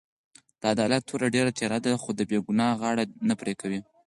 د عدالت توره ډېره تېره ده؛ خو د بې ګناه غاړه نه پرې کوي.